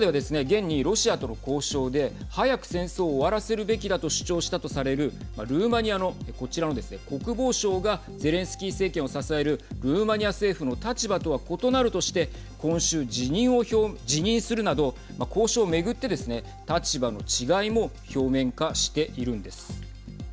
現にロシアとの交渉で早く戦争を終わらせるべきだと主張したとされるルーマニアのこちらのですね、国防相がゼレンスキー政権を支えるルーマニア政府の立場とは異なるとして今週、辞任するなど交渉を巡ってですね立場の違いも表面化しているんです。